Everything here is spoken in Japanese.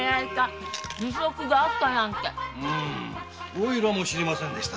おいらも知りませんでした。